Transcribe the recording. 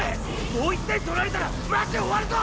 もう１点取られたらマジで終わるぞ！